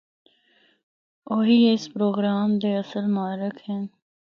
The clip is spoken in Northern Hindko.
اوہی اس پروگرام دے اصل محرک ہن۔